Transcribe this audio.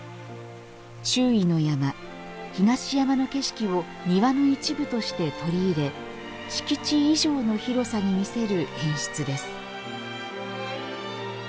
周囲の山、東山の景色を庭の一部として取り入れ敷地以上の広さに見せる演出です。